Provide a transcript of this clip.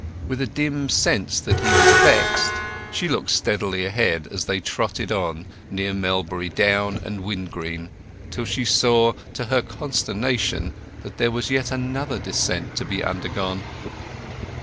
With a dim sense that he was vexed she looked steadily ahead as they trotted on near Melbury Down and Wingreen, till she saw, to her consternation, that there was yet another descent to be undergone.